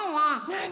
なに？